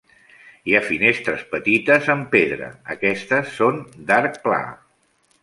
Hi ha finestres petites amb pedra, aquestes són d'arc pla.